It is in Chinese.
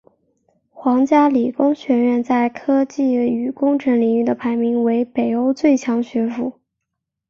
皇家理工学院在科技与工程领域的排名为北欧最强学府。